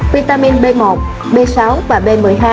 vitamin b một b sáu và b một mươi hai